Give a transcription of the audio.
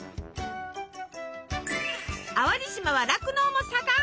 淡路島は酪農も盛ん。